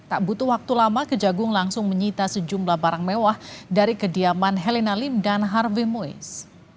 tak butuh waktu lama kejagung langsung menyita sejumlah barang mewah dari kediaman helena lim dan harvey mois